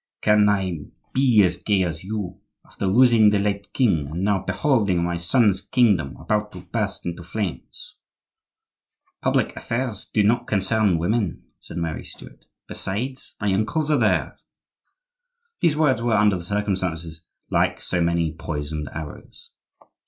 "Can I be as gay as you, after losing the late king, and now beholding my son's kingdom about to burst into flames?" "Public affairs do not concern women," said Mary Stuart. "Besides, my uncles are there." These words were, under the circumstances, like so many poisoned arrows.